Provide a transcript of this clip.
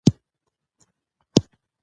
بانکونه د عامه پوهاوي په برخه کې کار کوي.